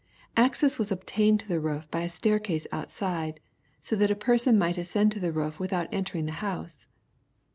Access was obtained to the roof by a stair case outside, so that a person might ascend to the roof without entering the house.